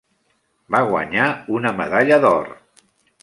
Va guanyar una medalla d'or.